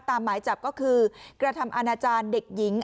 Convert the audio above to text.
หมายจับก็คือกระทำอาณาจารย์เด็กหญิง